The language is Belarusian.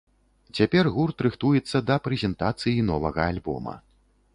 Цяпер гурт рыхтуецца да прэзентацыі новага альбома.